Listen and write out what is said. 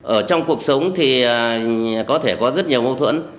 ở trong cuộc sống thì có thể có rất nhiều mâu thuẫn